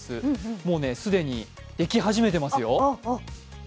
もう既に出来始めていますよ。